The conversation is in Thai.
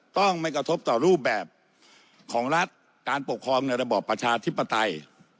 ต้องไม่กระทบต่อรูปแบบของรัฐการปกครองในระบอบประชาธิปไตย